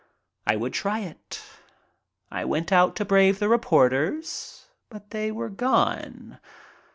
I would try it. I went out to brave the reporters. But they were gone.